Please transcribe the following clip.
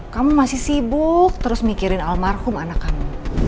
kamu masih sibuk terus mikirin almarhum anak kamu